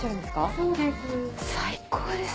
そうです。